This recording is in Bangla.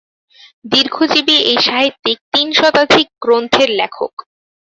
দীর্ঘজীবী এই সাহিত্যিক তিন শতাধিক গ্রন্থের লেখক।